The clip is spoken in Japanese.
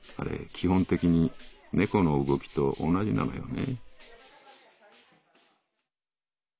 基本的に猫の動きと同じなのよね」。